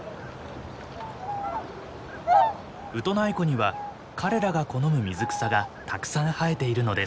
ウトナイ湖には彼らが好む水草がたくさん生えているのです。